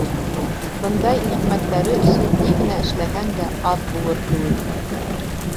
Бындай ниғмәттәре өсөн ни генә эшләһәң дә, аҙ булыр кеүек.